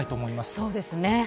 そうですね。